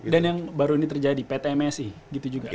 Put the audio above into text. dan yang baru ini terjadi pt msi